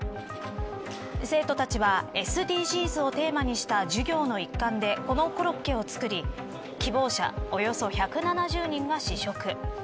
生徒たちはＳＤＧｓをテーマにした授業の一環でこのコロッケを作り希望者、およそ１７０人が試食。